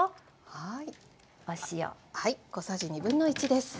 はい。